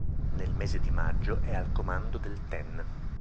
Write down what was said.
Nel mese di maggio è al comando del Ten.